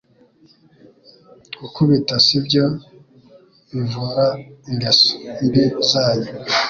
Gukubita sibyo bivuraingeso mbi zanyu